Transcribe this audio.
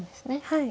はい。